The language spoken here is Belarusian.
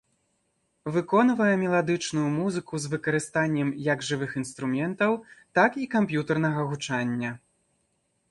Выконвае меладычную музыку з выкарыстаннем як жывых інструментаў, так і камп'ютарнага гучання.